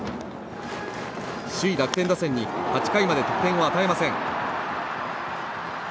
首位、楽天打線に８回まで得点を与えません。